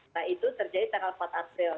nah itu terjadi tanggal empat april